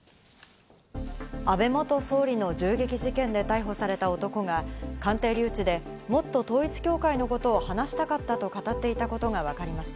安倍元総理の銃撃事件で逮捕された男が鑑定留置でもっと統一教会のことを話したかったと語っていたことがわかりました。